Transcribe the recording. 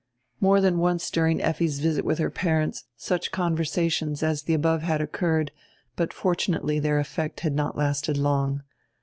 More than once during Effi's visit with her parents such conversations as the above had occurred, but fortunately their effect had not lasted long.